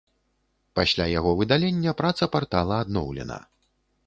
Пасля яго выдалення праца партала адноўлена.